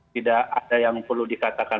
tidak ada yang perlu dikatakan